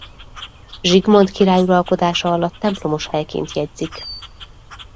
Zsigmond király uralkodása alatt templomos helyként jegyzik.